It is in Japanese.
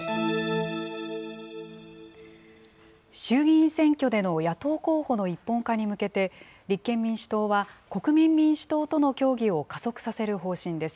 衆議院選挙での野党候補の一本化に向けて、立憲民主党は国民民主党との協議を加速させる方針です。